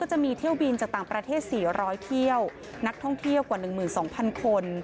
จะมีเที่ยวบินจากต่างประเทศ๔๐๐เที่ยวนักท่องเที่ยวกว่า๑๒๐๐คน